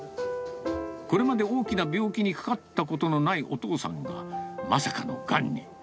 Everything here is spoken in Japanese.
これまで大きな病気にかかったことのないお父さんが、まさかのがんに。